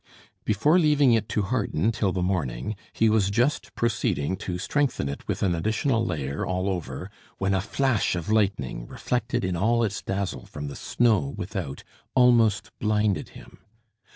Before leaving it to harden till the morning, he was just proceeding to strengthen it with an additional layer all over, when a flash of lightning, reflected in all its dazzle from the snow without, almost blinded him.